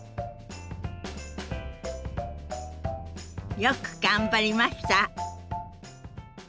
よく頑張りました。